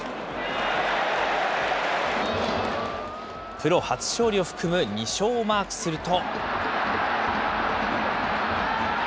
プロ初勝利を含む２勝をマークすると。